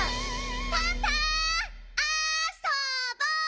・パンタあそぼ！